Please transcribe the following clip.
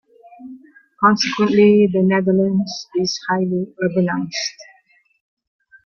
Consequently, the Netherlands is highly urbanized.